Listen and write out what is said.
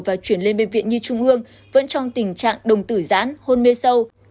và chuyển lên bệnh viện nhi trung ương vẫn trong tình trạng đồng tử giãn hôn mê sâu